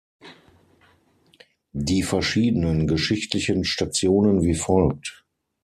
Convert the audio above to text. Die verschiedenen geschichtlichen Stationen wie folgt.